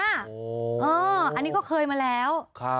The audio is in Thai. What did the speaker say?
อันนี้ก็เคยมาแล้ว